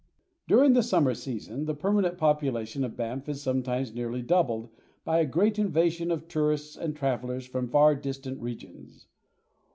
During the summer season, the permanent population of Banff is sometimes nearly doubled by a great invasion of tourists and travellers from far distant regions.